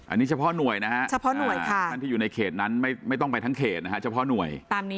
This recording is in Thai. อันนี้เฉพาะหน่วยเลยนะคะคุณทุกซะอยู่ในเขตนั้นไม่ต้องไปทั้งเขตเฉพาะหน่วย